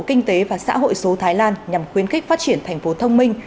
kinh tế và xã hội số thái lan nhằm khuyến khích phát triển thành phố thông minh